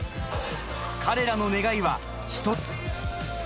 彼らの願いは一つ。